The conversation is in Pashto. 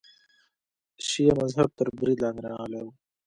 شیعه مذهب تر برید لاندې راغلی و.